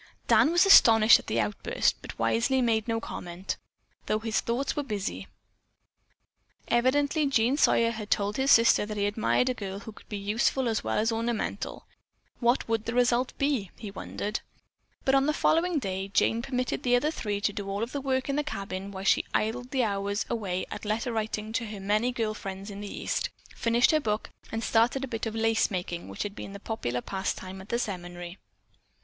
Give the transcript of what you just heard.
Dan was astonished at the outburst, but wisely made no comment, though his thoughts were busy. Evidently Jean Sawyer had told his sister that he admired a girl who could be useful as well as ornamental. What would the result be, he wondered. But on the following day Jane permitted the other three to do all of the work of the cabin while she idled hours away at letter writing to her many girl friends in the East; finished her book, and started a bit of lace making which had been the popular pastime at the seminary.